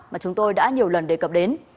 mà chúng tôi đã nhiều lần đề cập đến